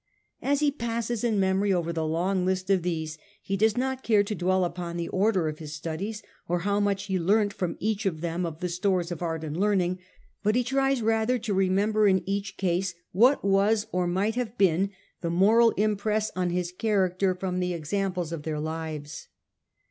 As he passes in memory over the long list of these, he does not care to dwell upon the order of his studies, or how much he learnt from each of them of the stores of art and learning, but he tries rather to remember in each case what was or might have been the moral impress on his character from the examples of their lives.